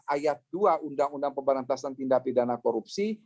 ayat dua undang undang pemberantasan tindak pidana korupsi